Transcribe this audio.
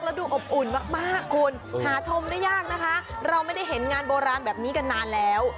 แล้วดูอบอุ่นมากคุณหาชมได้ยากนะคะเราไม่ได้เห็นงานโบราณแบบนี้กันนานแล้ว